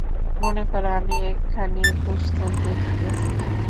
মনে কর, আমি একখানি পুস্তক দেখিতেছি।